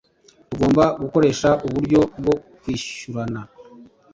tugomba gukoresha uburyo bwo kwishyurana